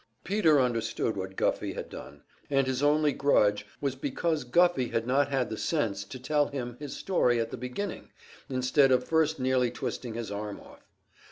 Peter understood what Guffey had done, and his only grudge was because Guffey had not had the sense to tell him his story at the beginning, instead of first nearly twisting his arm off.